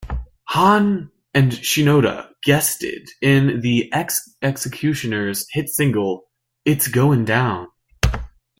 Hahn and Shinoda guested in The X-Ecutioners' hit single "It's Goin' Down".